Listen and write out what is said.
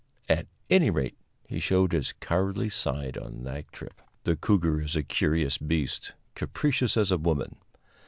At any rate, he showed his cowardly side that trip. The cougar is a curious beast, capricious as a woman.